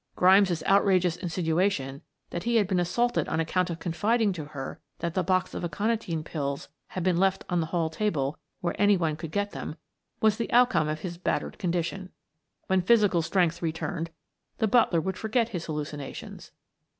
Grimes' outrageous insinuation that he had been assaulted on account of confiding to her that the box of aconitine pills had been left on the hall table where any one could get them, was the outcome of his battered condition. When physical strength returned, the butler would forget his hallucinations.